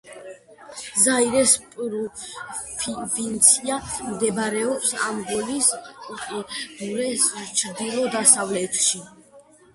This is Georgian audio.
ზაირეს პროვინცია მდებარეობს ანგოლის უკიდურეს ჩრდილო-დასავლეთში.